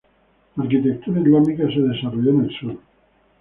La arquitectura islámica se desarrolló en el Sur.